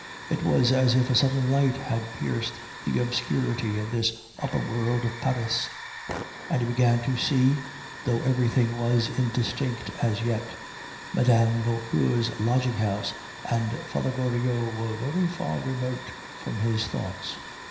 It was as if a sudden light had pierced the obscurity of this upper world of Paris, and he began to see, though everything was indistinct as yet. Mme. Vauquer's lodging house and Father Goriot were very far remote from his thoughts.